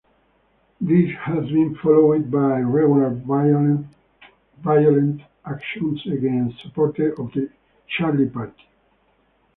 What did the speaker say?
This has been followed by regular violent actions against supporters of the "Shariy Party".